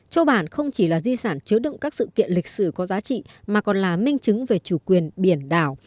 châu bản không chỉ là di sản chứa đựng các sự kiện lịch sử có giá trị mà còn là minh chứng về chủ quyền biển đảo